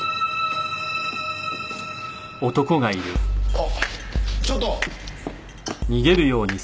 あっちょっと！